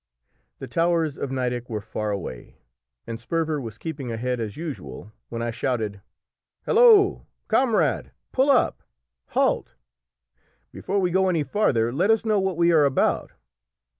The towers of Nideck were far away, and Sperver was keeping ahead as usual when I shouted "Halloo, comrade, pull up! Halt! Before we go any farther let us know what we are about."